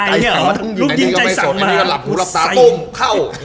อันนี้ก็ไม่สนอันนี้ก็หลับหูหลับตาปุ้มเข้า